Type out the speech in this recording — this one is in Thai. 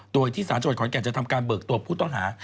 โดยที่สารจังหวัดขอนแก่นจะทำการเบิกตัวผู้ต้องหา